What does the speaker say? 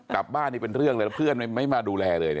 กลับบ้านนี่เป็นเรื่องเลยแล้วเพื่อนไม่มาดูแลเลย